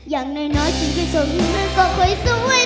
อย่างน้อยน้อยฉันก็ช่วยมีมันก็ค่อยสวย